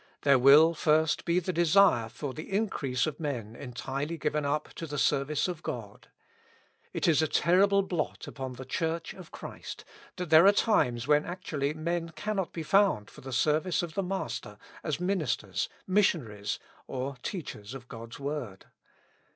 There will first be the desire for the increase of men entirely given up to the service of God. It is a terri ble blot upon the Church of Christ that there are times when actually men cannot be found for the service of the Master as ministers, missionaries, or teachers of God's Word.